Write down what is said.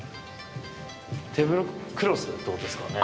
テーブルクロスってことですかね。